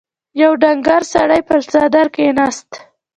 يو ډنګر سړی پر څادر کېناست.